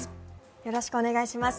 よろしくお願いします。